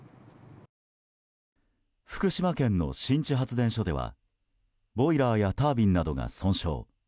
福島県の新地発電所ではボイラーやタービンなどが損傷。